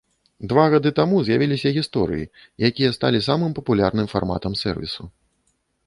Два гады таму з'явіліся гісторыі, якія сталі самым папулярным фарматам сэрвісу.